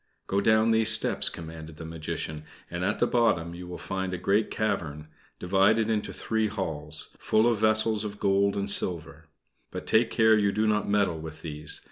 "Go down these steps," commanded the Magician, "and at the bottom you will find a great cavern, divided into three halls, full of vessels of gold and silver; but take care you do not meddle with these.